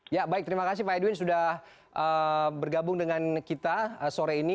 ya baik terima kasih pak edwin sudah bergabung dengan kita sore ini